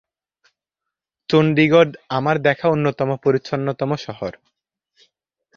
চন্ডীগড় আমার দেখা অন্যতম পরিচ্ছন্নতম শহর।